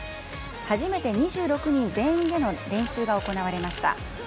初めて２６人全員での練習が行われました。